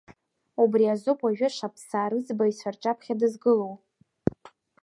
Убри азоуп уажәы шаԥсаа рыӡбаҩцәа рҿаԥхьа дызгылоу.